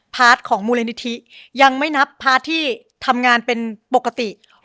ของมูลนิธิยังไม่นับพาร์ทที่ทำงานเป็นปกติ